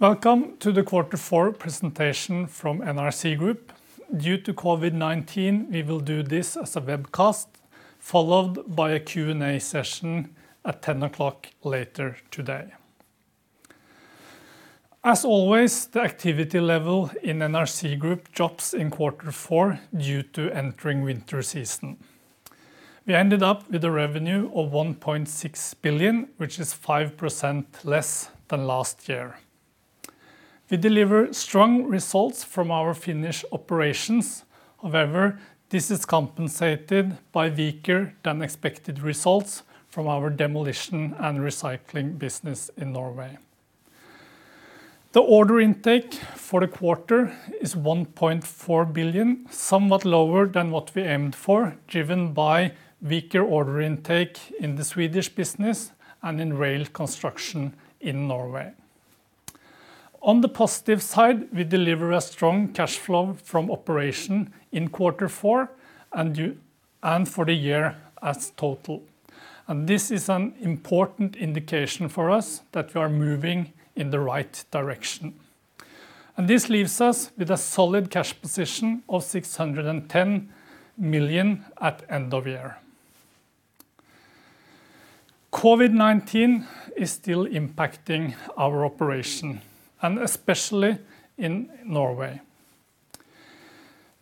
Welcome to the quarter four presentation from NRC Group. Due to COVID-19, we will do this as a webcast, followed by a Q&A session at 10:00 A.M. later today. As always, the activity level in NRC Group drops in quarter four due to entering winter season. We ended up with a revenue of 1.6 billion, which is 5% less than last year. We deliver strong results from our Finnish operations. This is compensated by weaker than expected results from our demolition and recycling business in Norway. The order intake for the quarter is 1.4 billion, somewhat lower than what we aimed for, driven by weaker order intake in the Swedish business and in rail construction in Norway. On the positive side, we deliver a strong cash flow from operation in quarter four and for the year as total. This is an important indication for us that we are moving in the right direction. This leaves us with a solid cash position of 610 million at end of year. COVID-19 is still impacting our operation, and especially in Norway.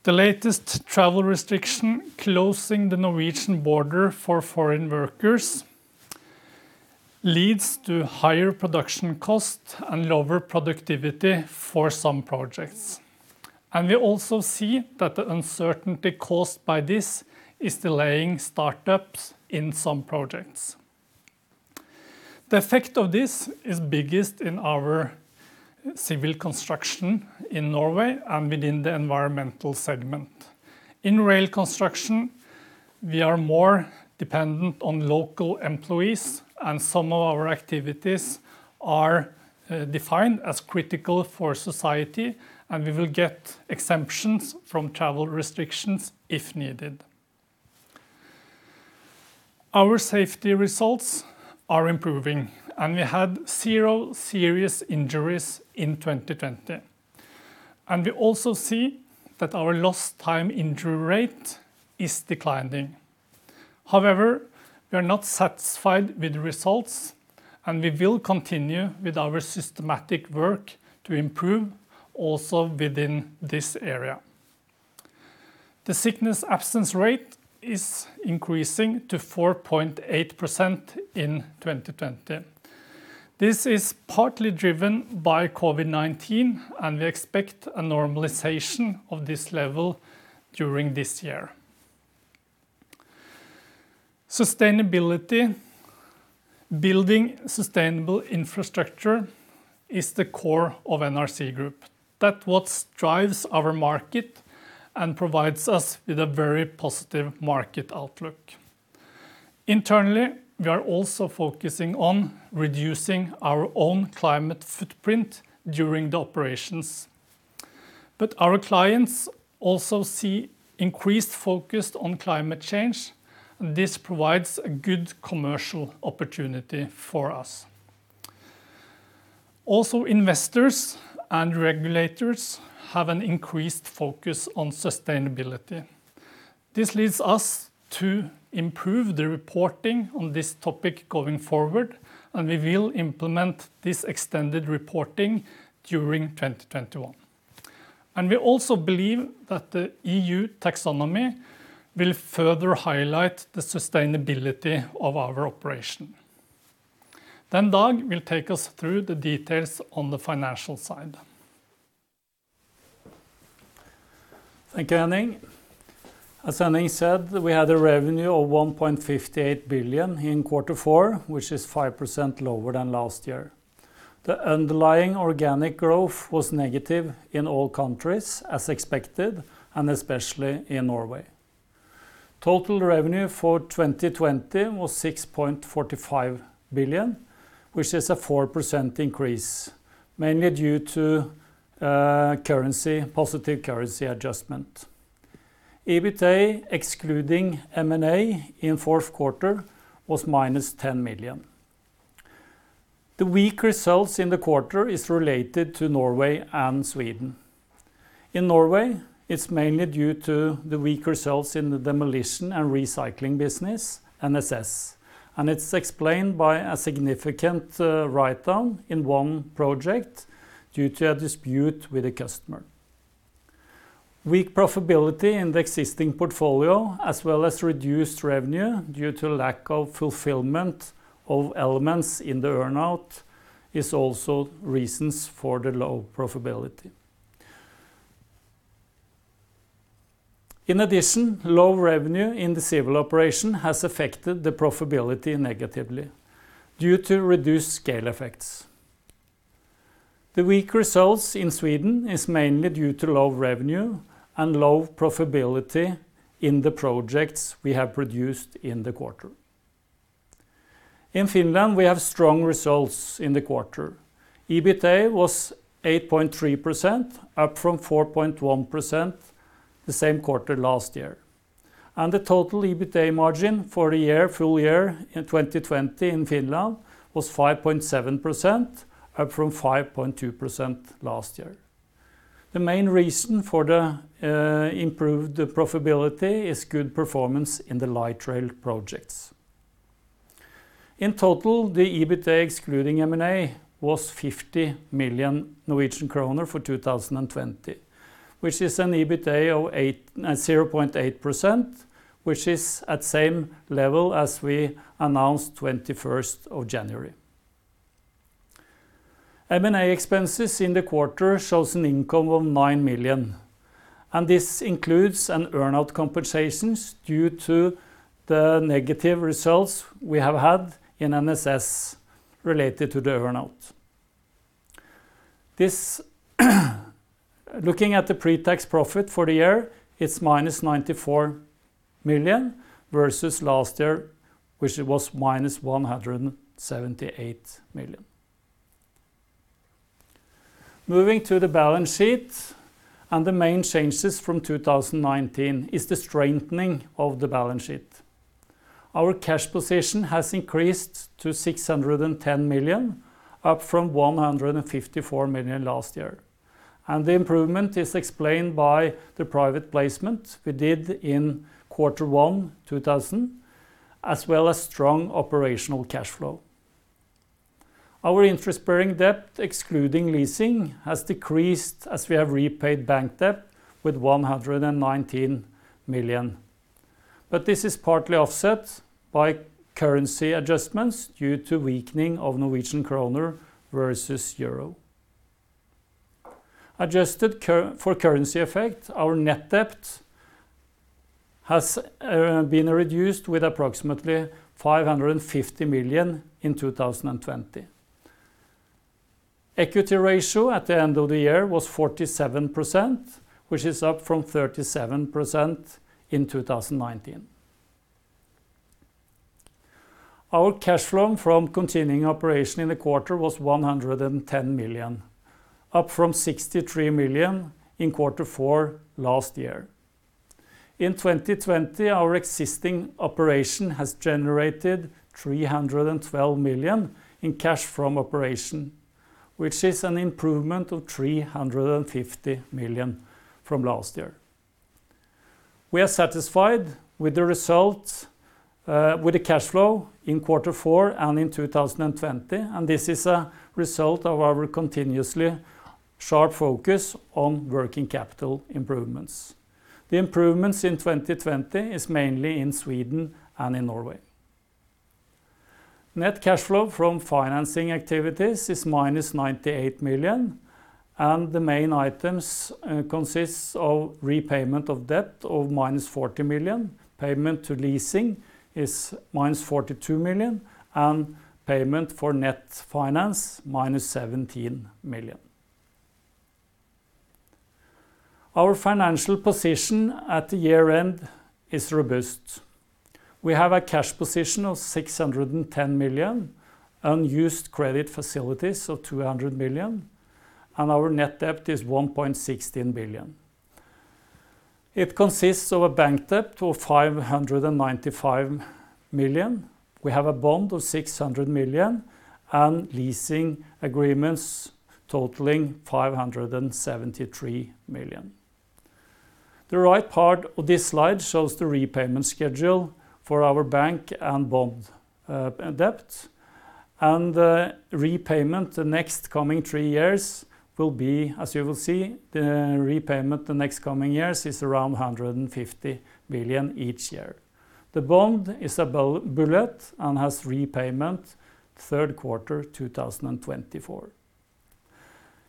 The latest travel restriction closing the Norwegian border for foreign workers leads to higher production cost and lower productivity for some projects. We also see that the uncertainty caused by this is delaying startups in some projects. The effect of this is biggest in our civil construction in Norway and within the environmental segment. In rail construction, we are more dependent on local employees, and some of our activities are defined as critical for society, and we will get exemptions from travel restrictions if needed. Our safety results are improving, and we had zero serious injuries in 2020. We also see that our lost time injury rate is declining. However, we are not satisfied with the results, and we will continue with our systematic work to improve also within this area. The sickness absence rate is increasing to 4.8% in 2020. This is partly driven by COVID-19, and we expect a normalization of this level during this year. Sustainability. Building sustainable infrastructure is the core of NRC Group. That is what drives our market and provides us with a very positive market outlook. Internally, we are also focusing on reducing our own climate footprint during the operations. Our clients also see increased focus on climate change. This provides a good commercial opportunity for us. Also, investors and regulators have an increased focus on sustainability. This leads us to improve the reporting on this topic going forward, and we will implement this extended reporting during 2021. We also believe that the EU taxonomy will further highlight the sustainability of our operation. Dag will take us through the details on the financial side. Thank you, Henning. As Henning said, we had a revenue of 1.58 billion in quarter four, which is 5% lower than last year. The underlying organic growth was negative in all countries, as expected, and especially in Norway. Total revenue for 2020 was 6.45 billion, which is a 4% increase, mainly due to positive currency adjustment. EBITA, excluding M&A in fourth quarter, was -10 million. The weak results in the quarter is related to Norway and Sweden. In Norway, it's mainly due to the weak results in the demolition and recycling business, NSS, and it's explained by a significant write-down in one project due to a dispute with a customer. Weak profitability in the existing portfolio, as well as reduced revenue due to lack of fulfillment of elements in the earn-out is also reasons for the low profitability. In addition, low revenue in the civil operation has affected the profitability negatively due to reduced scale effects. The weak results in Sweden is mainly due to low revenue and low profitability in the projects we have produced in the quarter. In Finland, we have strong results in the quarter. EBITDA was 8.3%, up from 4.1% the same quarter last year. The total EBITDA margin for the full year in 2020 in Finland was 5.7%, up from 5.2% last year. The main reason for the improved profitability is good performance in the light rail projects. In total, the EBITDA excluding M&A was 50 million Norwegian kroner for 2020, which is an EBITDA of 0.8%, which is at same level as we announced January 21st. M&A expenses in the quarter shows an income of 9 million. This includes an earn-out compensations due to the negative results we have had in NSS related to the earn-out. Looking at the pre-tax profit for the year, it's -94 million versus last year, which it was -178 million. Moving to the balance sheet, the main changes from 2019 is the strengthening of the balance sheet. Our cash position has increased to 610 million, up from 154 million last year. The improvement is explained by the private placement we did in quarter one 2000, as well as strong operational cash flow. Our interest-bearing debt excluding leasing has decreased as we have repaid bank debt with 119 million. This is partly offset by currency adjustments due to weakening of Norwegian kroner versus euro. Adjusted for currency effect, our net debt has been reduced with approximately 550 million in 2020. Equity ratio at the end of the year was 47%, which is up from 37% in 2019. Our cash flow from continuing operation in the quarter was 110 million, up from 63 million in quarter four last year. In 2020, our existing operation has generated 312 million in cash flow from operation, which is an improvement of 350 million from last year. We are satisfied with the results, with the cash flow in quarter four and in 2020, and this is a result of our continuously sharp focus on working capital improvements. The improvements in 2020 is mainly in Sweden and in Norway. Net cash flow from financing activities is -98 million, and the main items consists of repayment of debt of -40 million. Payment to leasing is -42 million, and payment for net finance -17 million. Our financial position at the year-end is robust. We have a cash position of 610 million, unused credit facilities of 200 million, and our net debt is 1.16 billion. It consists of a bank debt of 595 million. We have a bond of 600 million and leasing agreements totaling 573 million. The right part of this slide shows the repayment schedule for our bank and bond debt. The repayment the next coming three years will be, as you will see, the repayment the next coming years is around 150 million each year. The bond is a bullet and has repayment third quarter 2024.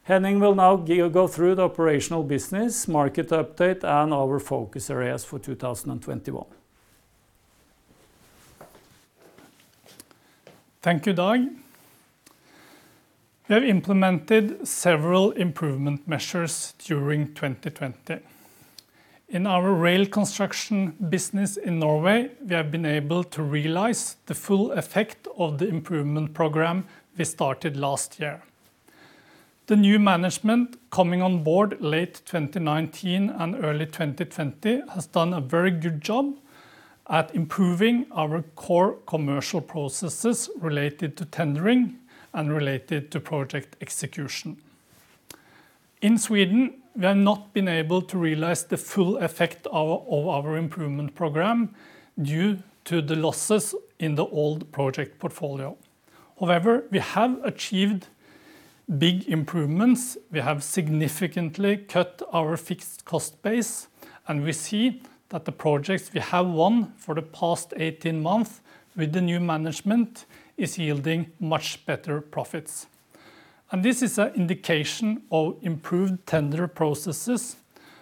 Henning will now go through the operational business, market update, and our focus areas for 2021. Thank you, Dag. We have implemented several improvement measures during 2020. In our rail construction business in Norway, we have been able to realize the full effect of the improvement program we started last year. The new management coming on board late 2019 and early 2020 has done a very good job at improving our core commercial processes related to tendering and related to project execution. In Sweden, we have not been able to realize the full effect of our improvement program due to the losses in the old project portfolio. However, we have achieved big improvements. We have significantly cut our fixed cost base, and we see that the projects we have won for the past 18 months with the new management is yielding much better profits. This is an indication of improved tender processes,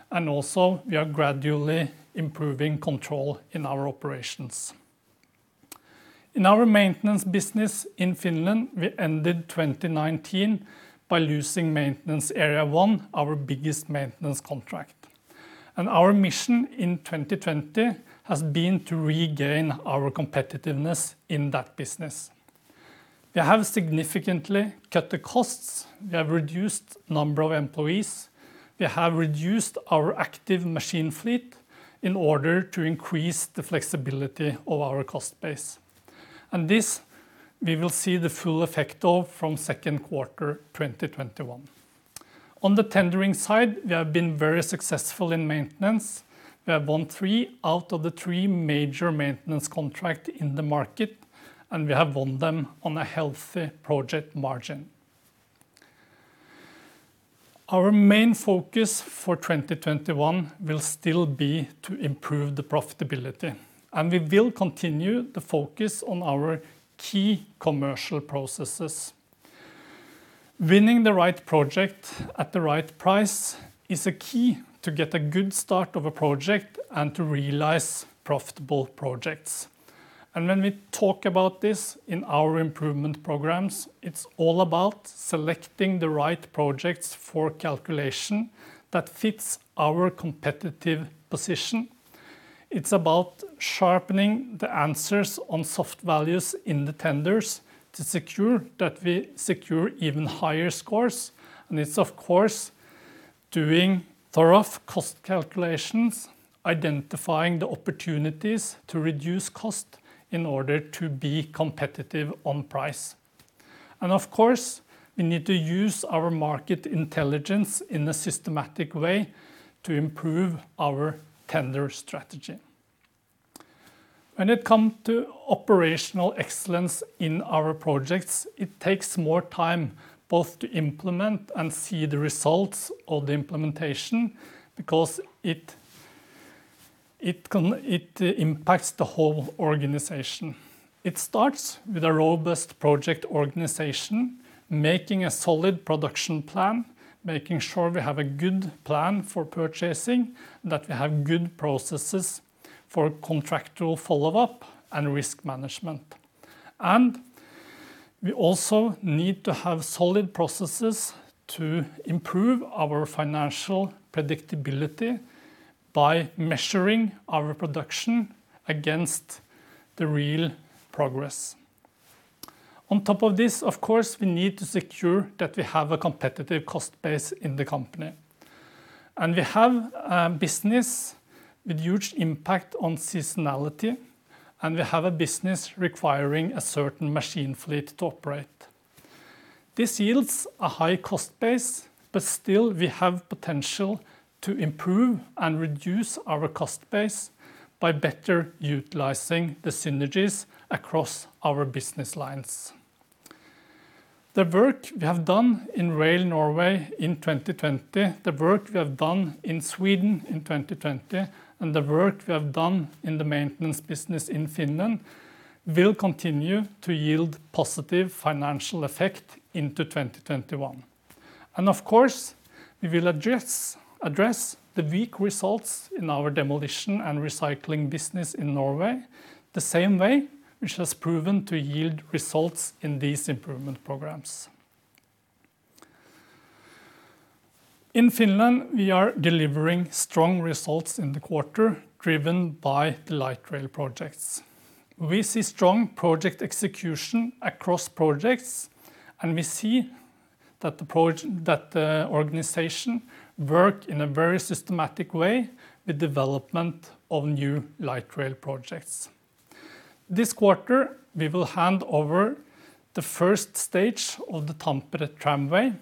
and also we are gradually improving control in our operations. In our maintenance business in Finland, we ended 2019 by losing Maintenance Area I, our biggest maintenance contract. Our mission in 2020 has been to regain our competitiveness in that business. We have significantly cut the costs. We have reduced number of employees. We have reduced our active machine fleet in order to increase the flexibility of our cost base. This, we will see the full effect of from second quarter 2021. On the tendering side, we have been very successful in maintenance. We have won three out of the three major maintenance contract in the market, and we have won them on a healthy project margin. Our main focus for 2021 will still be to improve the profitability, and we will continue to focus on our key commercial processes. Winning the right project at the right price is a key to get a good start of a project and to realize profitable projects. When we talk about this in our improvement programs, it's all about selecting the right projects for calculation that fits our competitive position. It's about sharpening the answers on soft values in the tenders to secure that we secure even higher scores. It's, of course, doing thorough cost calculations, identifying the opportunities to reduce cost in order to be competitive on price. Of course, we need to use our market intelligence in a systematic way to improve our tender strategy. When it come to operational excellence in our projects, it takes more time both to implement and see the results of the implementation because it impacts the whole organization. It starts with a robust project organization, making a solid production plan, making sure we have a good plan for purchasing, that we have good processes for contractual follow-up and risk management. We also need to have solid processes to improve our financial predictability by measuring our production against the real progress. On top of this, of course, we need to secure that we have a competitive cost base in the company. We have a business with huge impact on seasonality, and we have a business requiring a certain machine fleet to operate. This yields a high cost base, but still we have potential to improve and reduce our cost base by better utilizing the synergies across our business lines. The work we have done in Rail Norway in 2020, the work we have done in Sweden in 2020, and the work we have done in the maintenance business in Finland will continue to yield positive financial effect into 2021. Of course, we will address the weak results in our demolition and recycling business in Norway the same way, which has proven to yield results in these improvement programs. In Finland, we are delivering strong results in the quarter driven by the light rail projects. We see strong project execution across projects, and we see that the organization work in a very systematic way with development of new light rail projects. This quarter, we will hand over the first stage of the Tampere Tramway,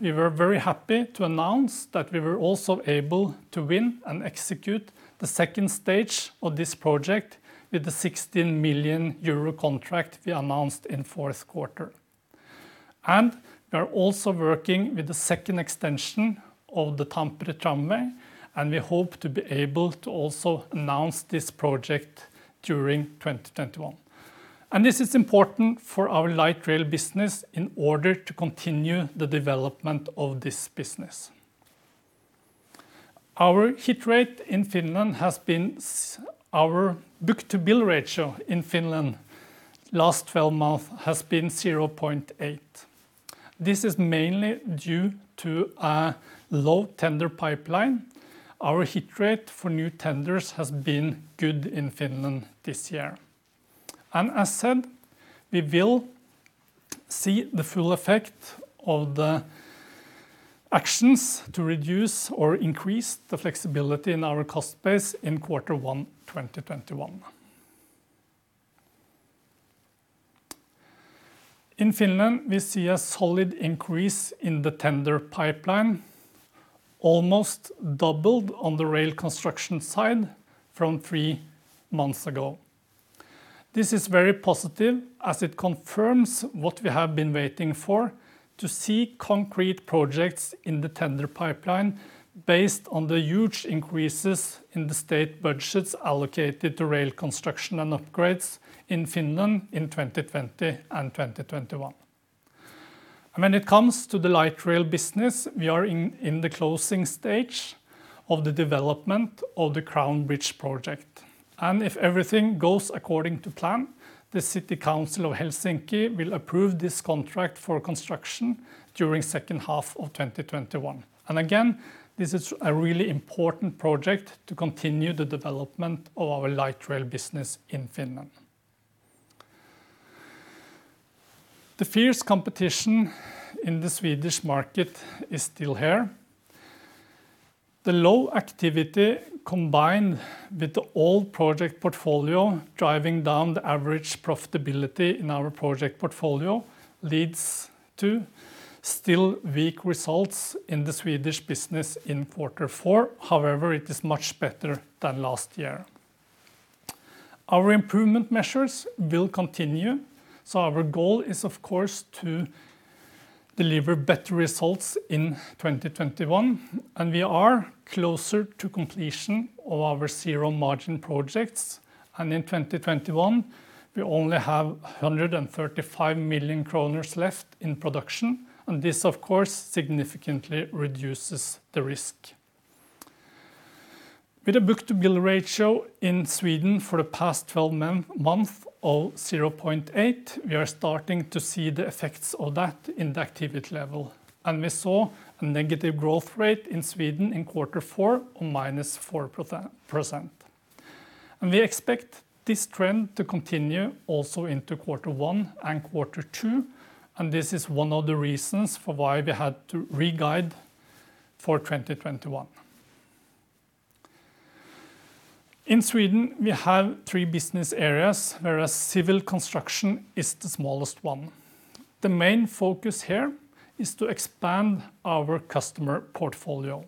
we were very happy to announce that we were also able to win and execute the second stage of this project with the 16 million euro contract we announced in fourth quarter. We are also working with the second extension of the Tampere Tramway, and we hope to be able to also announce this project during 2021. This is important for our light rail business in order to continue the development of this business. Our book-to-bill ratio in Finland last 12 months has been 0.8. This is mainly due to a low tender pipeline. Our hit rate for new tenders has been good in Finland this year. As said, we will see the full effect of the actions to reduce or increase the flexibility in our cost base in quarter one 2021. In Finland, we see a solid increase in the tender pipeline, almost doubled on the rail construction side from three months ago. This is very positive, as it confirms what we have been waiting for, to see concrete projects in the tender pipeline based on the huge increases in the state budgets allocated to rail construction and upgrades in Finland in 2020 and 2021. When it comes to the light rail business, we are in the closing stage of the development of the Crown Bridges project. If everything goes according to plan, the City Council of Helsinki will approve this contract for construction during second half of 2021. Again, this is a really important project to continue the development of our light rail business in Finland. The fierce competition in the Swedish market is still here. The low activity, combined with the old project portfolio driving down the average profitability in our project portfolio, leads to still weak results in the Swedish business in quarter four. However, it is much better than last year. Our improvement measures will continue. Our goal is, of course, to deliver better results in 2021, and we are closer to completion of our zero margin projects. In 2021, we only have 135 million kroner left in production, and this, of course, significantly reduces the risk. With a book-to-bill ratio in Sweden for the past 12 month of 0.8, we are starting to see the effects of that in the activity level. We saw a negative growth rate in Sweden in Q4 of -4%. We expect this trend to continue also into Q1 and Q2, and this is one of the reasons for why we had to re-guide for 2021. In Sweden, we have three business areas, whereas civil construction is the smallest one. The main focus here is to expand our customer portfolio.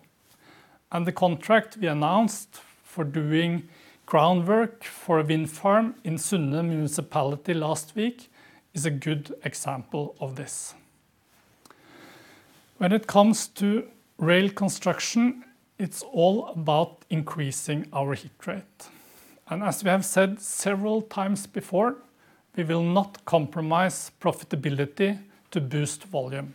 The contract we announced for doing groundwork for a wind farm in Sunne Municipality last week is a good example of this. When it comes to rail construction, it's all about increasing our hit rate. As we have said several times before, we will not compromise profitability to boost volume.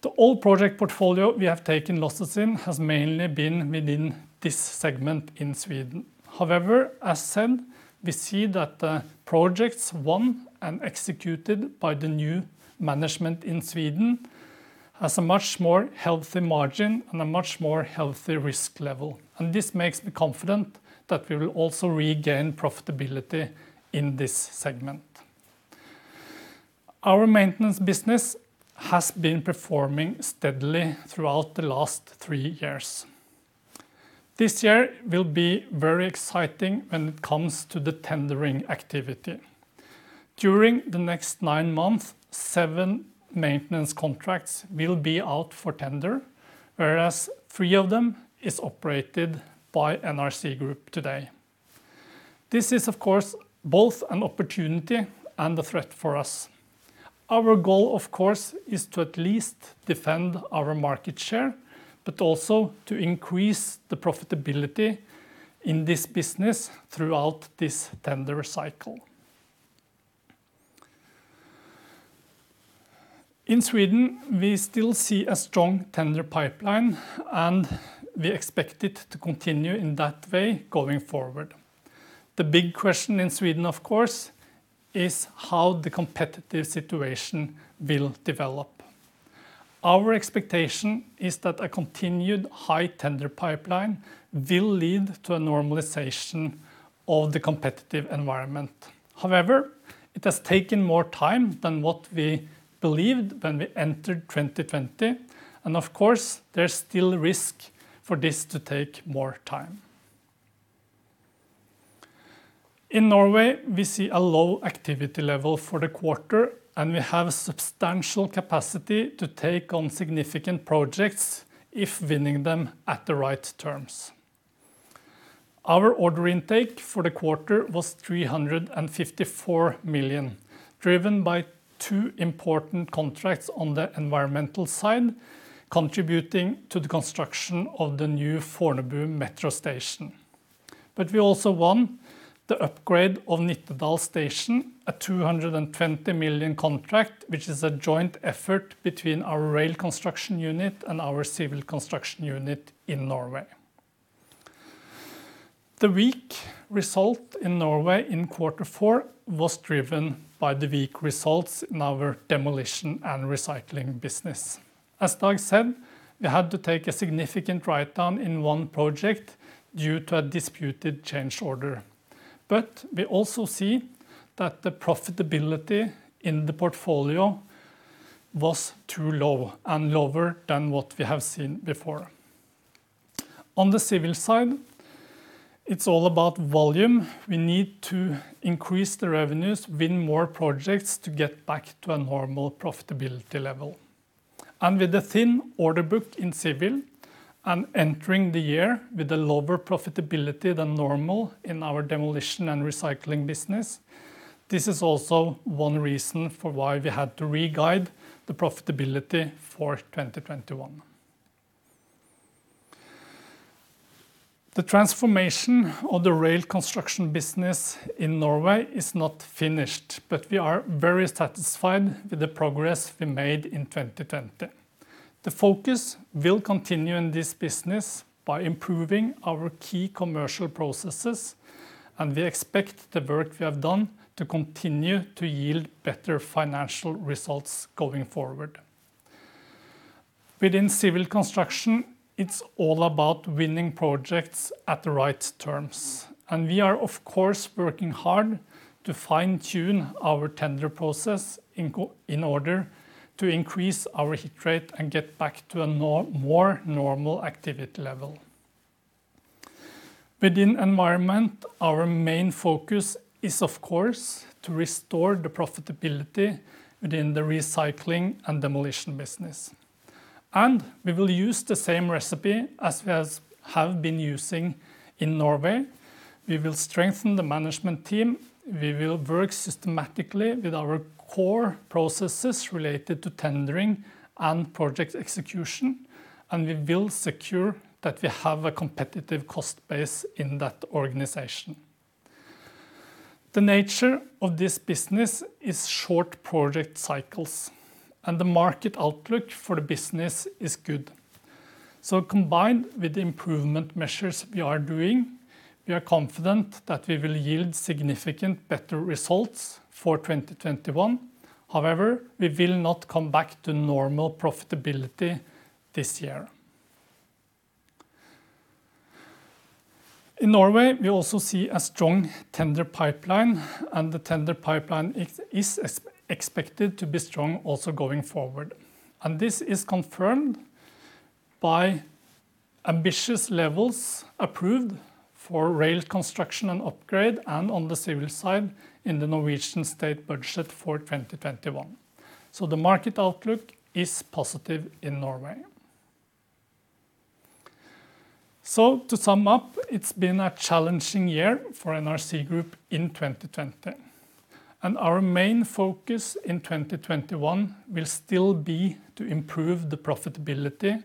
The old project portfolio we have taken losses in has mainly been within this segment in Sweden. However, as said, we see that the projects won and executed by the new management in Sweden has a much more healthy margin and a much more healthy risk level. This makes me confident that we will also regain profitability in this segment. Our maintenance business has been performing steadily throughout the last three years. This year will be very exciting when it comes to the tendering activity. During the next nine months, seven maintenance contracts will be out for tender, whereas three of them is operated by NRC Group today. This is, of course, both an opportunity and a threat for us. Our goal, of course, is to at least defend our market share, but also to increase the profitability in this business throughout this tender cycle. In Sweden, we still see a strong tender pipeline, and we expect it to continue in that way going forward. The big question in Sweden, of course, is how the competitive situation will develop. Our expectation is that a continued high tender pipeline will lead to a normalization of the competitive environment. However, it has taken more time than what we believed when we entered 2020. Of course, there's still risk for this to take more time. In Norway, we see a low activity level for the quarter, and we have substantial capacity to take on significant projects if winning them at the right terms. Our order intake for the quarter was 354 million, driven by two important contracts on the environmental side, contributing to the construction of the new Fornebu Metro station. We also won the upgrade of Nittedal Station, a 220 million contract, which is a joint effort between our rail construction unit and our civil construction unit in Norway. The weak result in Norway in quarter four was driven by the weak results in our demolition and recycling business. As Dag said, we had to take a significant write-down in one project due to a disputed change order. We also see that the profitability in the portfolio was too low, and lower than what we have seen before. On the civil side, it's all about volume. We need to increase the revenues, win more projects to get back to a normal profitability level. With a thin order book in civil and entering the year with a lower profitability than normal in our demolition and recycling business, this is also one reason for why we had to re-guide the profitability for 2021. The transformation of the rail construction business in Norway is not finished, but we are very satisfied with the progress we made in 2020.The focus will continue in this business by improving our key commercial processes, and we expect the work we have done to continue to yield better financial results going forward. Within civil construction, it's all about winning projects at the right terms. We are, of course, working hard to fine-tune our tender process in order to increase our hit rate and get back to a more normal activity level. Within environment, our main focus is, of course, to restore the profitability within the recycling and demolition business. We will use the same recipe as we have been using in Norway. We will strengthen the management team, we will work systematically with our core processes related to tendering and project execution, and we will secure that we have a competitive cost base in that organization. The nature of this business is short project cycles, and the market outlook for the business is good. Combined with the improvement measures we are doing, we are confident that we will yield significant better results for 2021. However, we will not come back to normal profitability this year. In Norway, we also see a strong tender pipeline, and the tender pipeline is expected to be strong also going forward. This is confirmed by ambitious levels approved for rail construction and upgrade, and on the civil side in the Norwegian state budget for 2021. The market outlook is positive in Norway. To sum up, it's been a challenging year for NRC Group in 2020. Our main focus in 2021 will still be to improve the profitability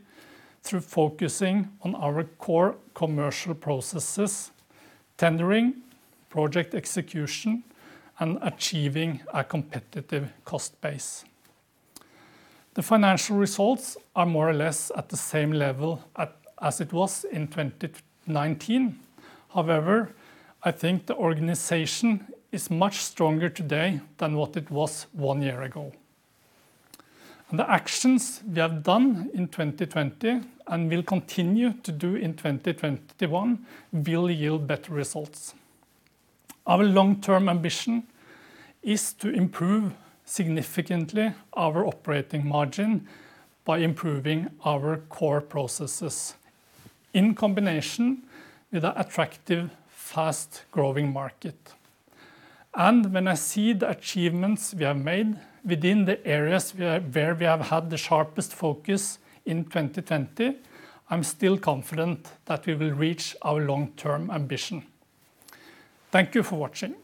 through focusing on our core commercial processes, tendering, project execution, and achieving a competitive cost base. The financial results are more or less at the same level as it was in 2019. However, I think the organization is much stronger today than what it was one year ago. The actions we have done in 2020 and will continue to do in 2021 will yield better results. Our long-term ambition is to improve significantly our operating margin by improving our core processes, in combination with an attractive, fast-growing market. When I see the achievements we have made within the areas where we have had the sharpest focus in 2020, I'm still confident that we will reach our long-term ambition. Thank you for watching.